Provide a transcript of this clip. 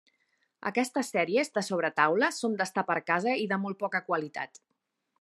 Aquestes sèries de sobretaula són d'estar per casa i de molt poca qualitat.